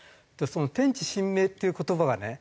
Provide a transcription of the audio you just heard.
「天地神明」っていう言葉がね